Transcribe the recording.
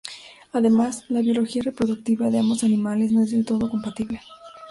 Además, la biología reproductiva de ambos animales no es del todo compatible.